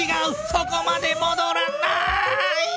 そこまでもどらない！